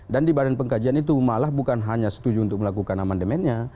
dan di badan pengkajian itu malah bukan hanya setuju untuk melakukan amandemennya